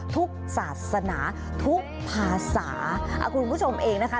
ทุกศาสนาทุกภาษาคุณผู้ชมเองนะคะ